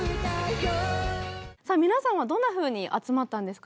さあ皆さんはどんなふうに集まったんですか？